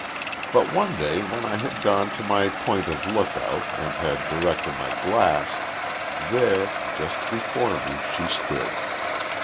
But one day when I had gone to my point of lookout and had directed my glass there, just before me, she stood.